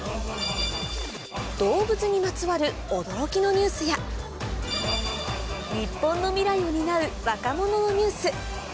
動物にまつわる驚きのニュースや日本の未来を担う若者のニュース